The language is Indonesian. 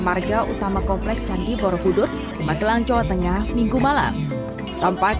marga utama komplek candi borobudur di magelang jawa tengah minggu malam tempat